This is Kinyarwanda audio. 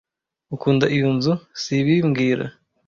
Ukunda iyo nzu, sibi mbwira